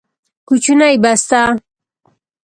کوچنۍ بسته